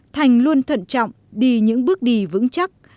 thành luôn thận trọng đi những bước đi vững chắc